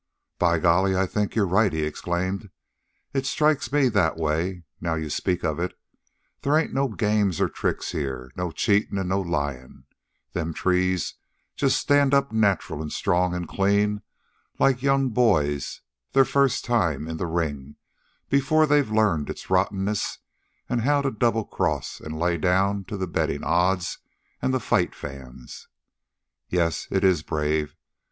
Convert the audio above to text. "By golly, I think you're right," he exclaimed. "It strikes me that way, now you speak of it. They ain't no games or tricks here, no cheatin' an' no lyin'. Them trees just stand up natural an' strong an' clean like young boys their first time in the ring before they've learned its rottenness an' how to double cross an' lay down to the bettin' odds an' the fight fans. Yep; it is brave.